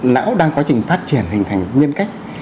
lão đang quá trình phát triển hình thành nhân cách